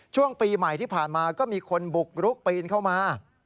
ช่วงปีใหม่ที่ผ่านมาก็มีคนบุกรุกปีนเข้ามา